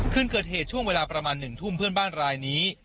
คืนเกิดเหตุช่วงเวลาประมาณ๑ทุ่มเพื่อนบ้านรายนี้